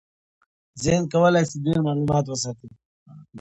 ذهن کولی شي ډېر معلومات وساتي.